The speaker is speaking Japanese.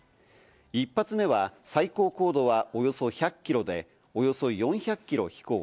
１発目は最高高度はおよそ１００キロで、およそ４００キロ飛行。